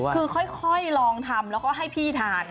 คือค่อยลองทำแล้วก็ให้พี่ทาน